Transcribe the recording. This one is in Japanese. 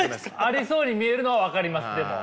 ありそうに見えるのは分かりますでも。